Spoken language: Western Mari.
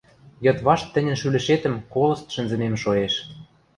Йыдвашт тӹньӹн шӱлӹшетӹм колышт шӹнзӹмем шоэш...